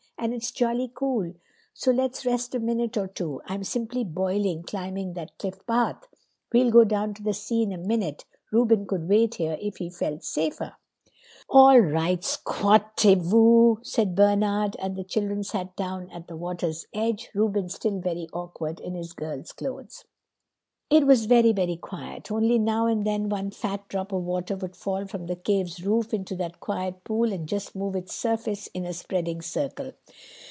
And it's jolly cool. Do let's rest a minute or two. I'm simply boiling, climbing that cliff path. We'll go down to the sea in a minute. Reuben could wait here if he felt safer." "All right, squattez vous," said Bernard, and the children sat down at the water's edge, Reuben still very awkward in his girl's clothes. It was very, very quiet. Only now and then one fat drop of water would fall from the cave's roof into that quiet pool and just move its surface in a spreading circle.